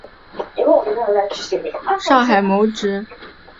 后赴上海谋职。